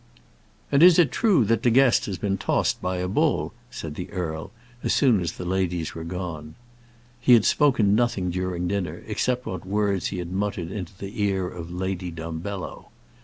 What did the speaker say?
"And is it true that De Guest has been tossed by a bull?" said the earl, as soon as the ladies were gone. He had spoken nothing during dinner except what words he had muttered into the ear of Lady Dumbello.